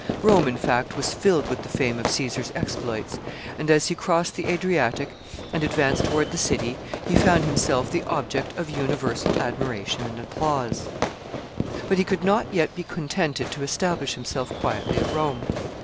Rome, in fact, was filled with the fame of Caesar's exploits, and, as he crossed the Adriatic and advanced toward the city, he found himself the object of universal admiration and applause. [Sidenote: Opposition of Cato.] [Sidenote: Pompey's sons.] But he could not yet be contented to establish himself quietly at Rome.